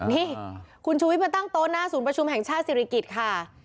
นี่คุณชูวิทมาตั้งโต๊ะหน้าศูนย์ประชุมแห่งชาติศิริกิจค่ะ